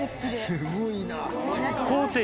すごいな。